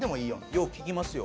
よう聞きますよ。